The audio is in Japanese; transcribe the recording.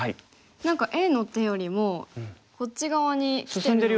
何かＡの手よりもこっち側にきてる。